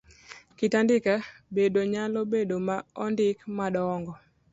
Kit andike bendo nyalo bedo ma ondiki madong'o.